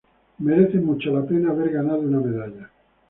Merece mucho la pena haber ganado una medalla.